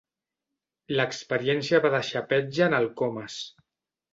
L'experiència va deixar petja en el Comas.